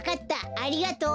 ありがとう。